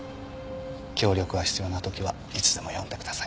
協力が必要な時はいつでも呼んでください。